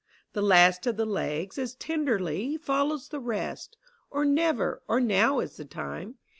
87 The last of the legs as tenderly Follows the rest : or never Or now is the time!